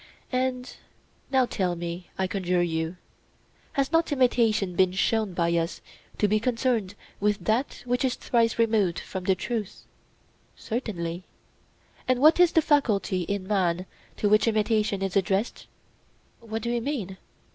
And now tell me, I conjure you, has not imitation been shown by us to be concerned with that which is thrice removed from the truth? Certainly. And what is the faculty in man to which imitation is addressed? What do you mean?